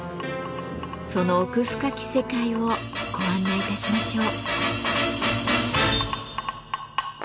その奥深き世界をご案内いたしましょう。